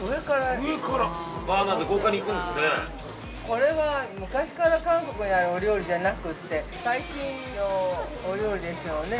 ◆これは、昔から韓国にあるお料理じゃなくて最近のお料理でしょうね。